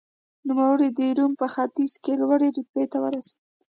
نوموړی د روم په پوځ کې لوړې رتبې ته ورسېد.